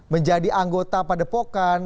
menjadi anggota padepokan